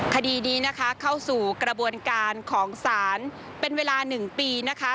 คดีนี้นะคะเข้าสู่กระบวนการของศาลเป็นเวลา๑ปีนะคะ